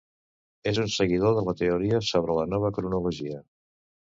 És un seguidor de la teoria sobre la Nova Cronologia.